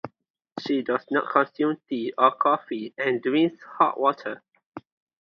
She does not consume tea or coffee and drinks hot water.